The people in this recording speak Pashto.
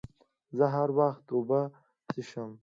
زه هر وخت اوبه څښم.